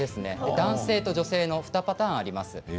男性と女性の２パターンあります。